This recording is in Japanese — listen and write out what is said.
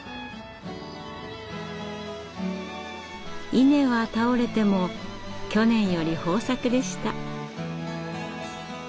稲は倒れても去年より豊作でした。